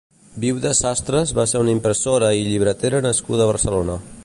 Viuda Sastres va ser una impressora i llibretera nascuda a Barcelona.